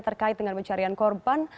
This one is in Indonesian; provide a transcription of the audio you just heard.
terkait dengan pencarian korban